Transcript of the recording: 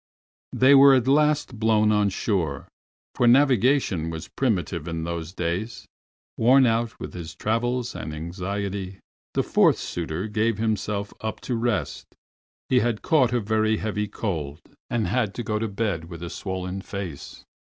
They were at last blown on shore, for navigation was primitive in those days. Worn out with his travels and anxiety, the fourth suitor gave himself up to rest. He had caught a very heavy cold, and had to go to bed with a swollen face.